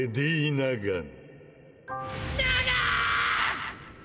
ナガン！！